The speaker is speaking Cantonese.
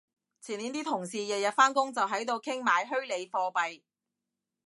前年啲同事日日返工就喺度傾買虛擬貨幣